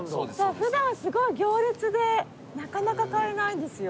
普段すごい行列でなかなか買えないんですよ。